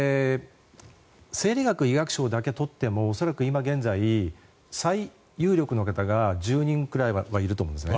生理学医学賞だけとっても恐らく今現在最有力の方が１０人くらいはいると思います。